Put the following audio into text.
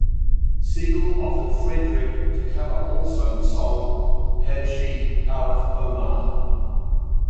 Siegel offered Frederik to cover also the song "Hadschi Halef Omar".